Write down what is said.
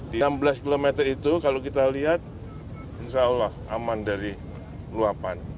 di enam belas km itu kalau kita lihat insya allah aman dari luapan